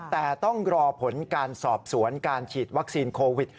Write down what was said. แต่ต้องรอผลการสอบสวนการฉีดวัคซีนโควิด